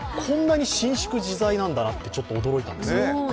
こんなに伸縮自在なんだなってちょっと驚いたんです。